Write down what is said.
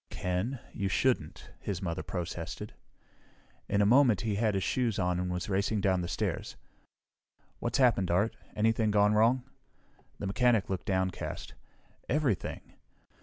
"Ken! You shouldn't!" his mother protested. In a moment he had his shoes on and was racing down the stairs. "What's happened, Art? Anything gone wrong?" The mechanic looked downcast. "Everything!